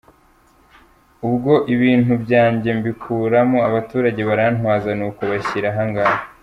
ubwo ibintu byanjye mbikuramo , abaturage barantwaza nuko bashyira aha ngaha.